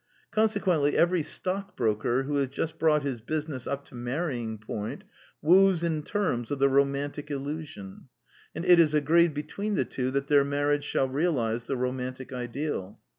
Con sequently every stockbroker who has just brought his business up to marrying point woos in terms of the romantic illusion; and it is agreed between the two that their marriage shall realize the ro mantic ideal.